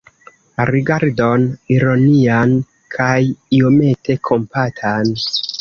Rigardon ironian kaj iomete kompatan.